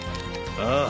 ああ。